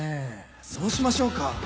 そうしましょうか。